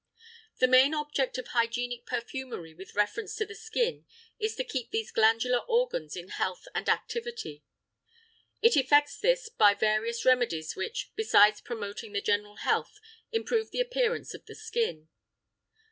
The main object of hygienic perfumery with reference to the skin is to keep these glandular organs in health and activity; it effects this by various remedies which, besides promoting the general health, improve the appearance of the skin.